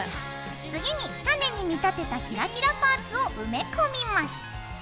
次に種に見立てたキラキラパーツを埋め込みます。